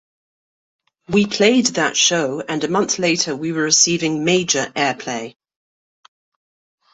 We played that show, and a month later we were receiving major airplay.